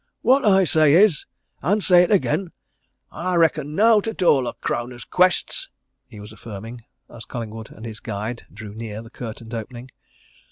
"What I say is and I say it agen I reckon nowt at all o' crowners' quests!" he was affirming, as Collingwood and his guide drew near the curtained opening.